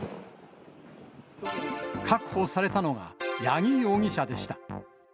確保されたのが八木容疑者でした。